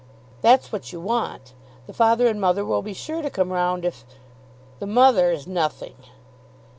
That's what you want. The father and mother will be sure to come round, if " "The mother is nothing."